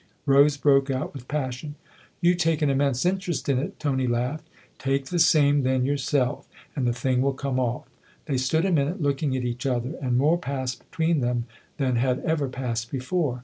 11 Rose broke out with passion. " You take an immense interest in it !" Tony laughed. " Take the same, then, yourself, and the thing will come off." They stood a minute looking at each other, and more passed between them than had ever passed before.